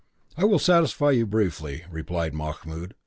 "I will satisfy you briefly," replied Mahmoud.